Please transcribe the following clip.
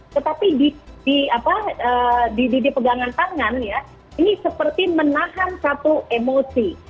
tetapi di pegangan tangan ini seperti menahan satu emosi